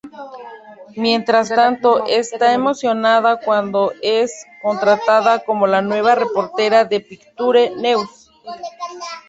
Mientras tanto, está emocionada cuando es contratada como la nueva reportera de Picture News.